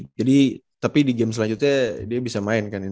jadi tapi di game selanjutnya dia bisa main kan ini